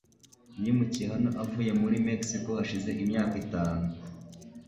Yimukiye hano avuye muri Mexico hashize imyaka itanu.